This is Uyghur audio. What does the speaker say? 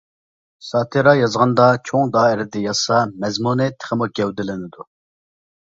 ساتىرا يازغاندا چوڭ دائىرىدە يازسا مەزمۇنى تېخىمۇ گەۋدىلىنىدۇ.